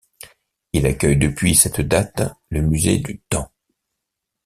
Il accueille depuis cette date le musée du Temps.